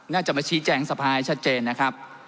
น่าจะมาชี้แจงสภาให้ชัดเจนนะครับ